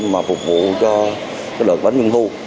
mà phục vụ cho đợt bánh trung thu